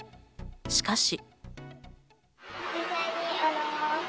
しかし。